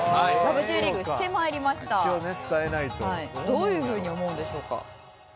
どういうふうに思うんでしょうか？